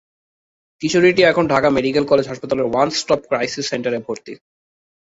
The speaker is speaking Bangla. কিশোরীটি এখন ঢাকা মেডিকেল কলেজ হাসপাতালের ওয়ান স্টপ ক্রাইসিস সেন্টারে ভর্তি।